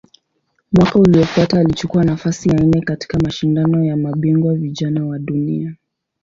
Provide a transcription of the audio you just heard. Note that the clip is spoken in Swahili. Mwaka uliofuata alichukua nafasi ya nne katika Mashindano ya Mabingwa Vijana wa Dunia.